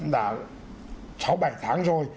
đã sáu bảy tháng rồi